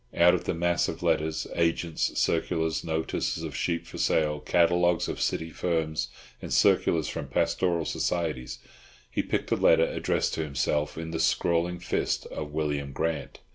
Out of the mass of letters, agents' circulars, notices of sheep for sale, catalogues of city firms, and circulars from pastoral societies, he picked a letter addressed to himself in the scrawling fist of William Grant.